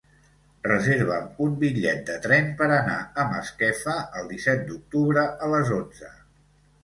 Reserva'm un bitllet de tren per anar a Masquefa el disset d'octubre a les onze.